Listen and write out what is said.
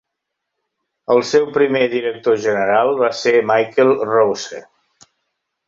El seu primer director general va ser Michael Rowse.